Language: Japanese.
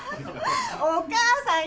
お義母さん